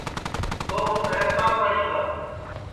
تو ہوں حیرتام پڑی گا